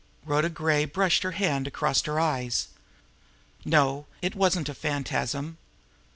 Rhoda Gray brushed her hand across her eyes. No, it wasn't a phantasm!